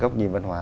gốc nhìn văn hóa